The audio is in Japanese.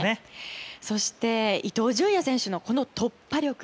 そして、伊東純也選手の突破力。